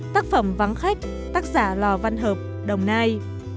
một mươi ba tác phẩm vắng khách tác giả lò văn hợp đồng nai